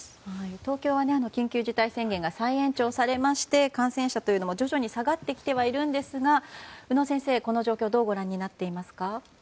東京は緊急事態宣言が再延長されまして感染者も徐々に下がってきてはいるんですが宇野先生、この状況をどうご覧になっていますか？